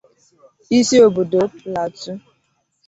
isi obodo Plateau